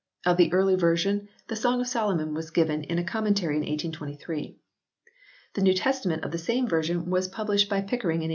Of the early version the Song of Solomon was given in a commentary of 1823 ; and the New Testament of the same version was published by Pickering in 1848.